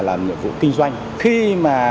làm nhiệm vụ kinh doanh khi mà